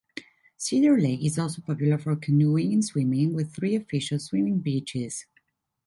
Cedar Lake is also popular for canoeing and swimming, with three official swimming beaches.